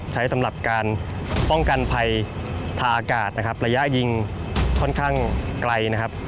สำหรับการป้องกันภัยทาอากาศนะครับระยะยิงค่อนข้างไกลนะครับ